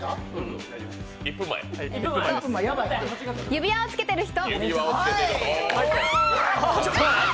指輪をつけてる人。